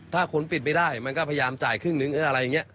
ถ้าคุณปิดไม่ได้มันก็พยายามจ่ายครึ่งนึงอะไรอย่างนี้